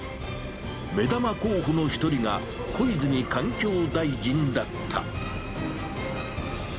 目玉候補の一人が、小泉環境大臣だった。